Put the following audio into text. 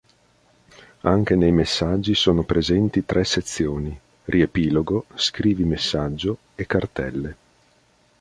Anche nei messaggi sono presenti tre sezioni: riepilogo, scrivi messaggio e cartelle.